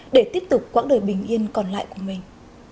để tiếp tục quãng đời bình yên còn lại của mình